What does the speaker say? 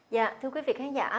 dạ thưa quý vị khán giả